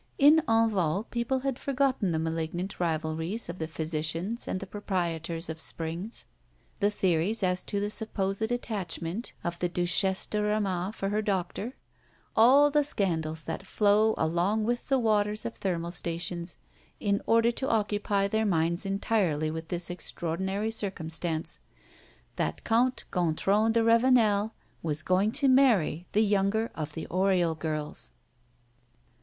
In Enval people had forgotten the malignant rivalries of the physicians and the proprietors of springs, the theories as to the supposed attachment of the Duchess de Ramas for her doctor, all the scandals that flow along with the waters of thermal stations, in order to occupy their minds entirely with this extraordinary circumstance that Count Gontran de Ravenel was going to marry the younger of the Oriol girls.